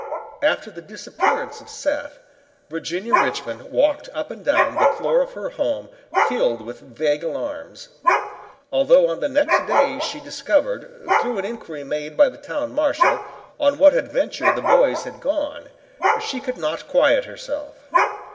After the disappearance of Seth, Virginia Richmond walked up and down the floor of her home filled with vague alarms. Although on the next day she discovered, through an inquiry made by the town marshal, on what adventure the boys had gone, she could not quiet herself.